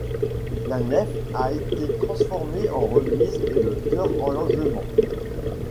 La nef a été transformée en remise et le chœur en logement.